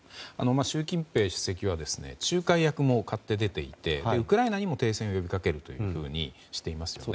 習近平主席は仲介役も買って出ていてウクライナにも停戦を呼びかけるというふうにしてますよね。